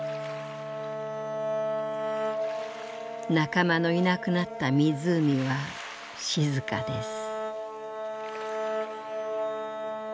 「仲間のいなくなった湖は静かです」。